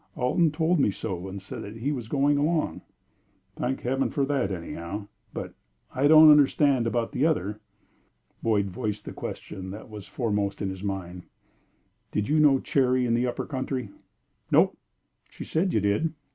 "Alton told me so, and said that he was going along." "Thank Heaven for that, anyhow, but I don't understand about the other." Boyd voiced the question that was foremost in his mind. "Did you know Cherry in the 'upper country'?" "Nope." "She said you did."